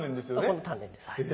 この鍛錬ですはい。